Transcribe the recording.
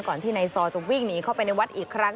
ที่นายซอจะวิ่งหนีเข้าไปในวัดอีกครั้ง